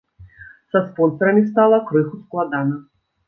Са спонсарамі стала крыху складана.